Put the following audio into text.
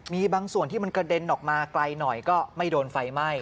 มีบางส่วนที่มันกระเด็นออกมาไกลหน่อยก็ไม่โดนไฟไหม้